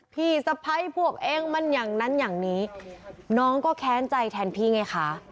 พี่สะพ้ายพวกเองมันอย่างนั้นอย่างนี้น้องก็แค้นใจแทนพี่ไงคะ